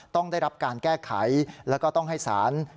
ต้องได้รับการแก้ไขแล้วก็ต้องให้ศาล